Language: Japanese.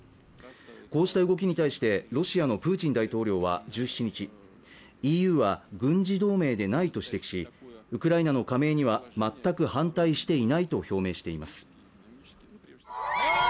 こうした動きに対してロシアのプーチン大統領は１７日ＥＵは軍事同盟でないと指摘しウクライナの加盟には全く反対していないと表明しています